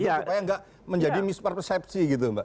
supaya nggak menjadi mispersepsi gitu mbak